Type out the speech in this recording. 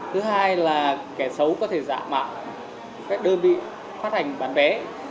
thứ hai là kẻ xấu có thể giả mạo các đơn vị phát hành bán vé